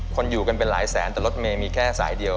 คนอยู่กันเป็นหลายแสนแต่รถเมย์มีแค่สายเดียว